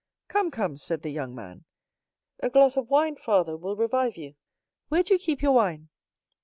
"Come, come," said the young man, "a glass of wine, father, will revive you. Where do you keep your wine?"